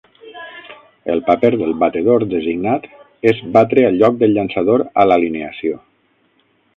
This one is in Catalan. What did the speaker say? El paper del batedor designat és batre al lloc del llançador a l'alineació.